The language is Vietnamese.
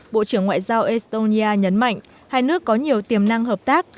bộ trưởng ngoại giao estonia nhấn mạnh hai nước có nhiều tiềm năng hợp tác